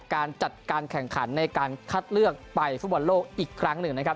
การจัดการแข่งขันในการคัดเลือกไปฟุตบอลโลกอีกครั้งหนึ่งนะครับ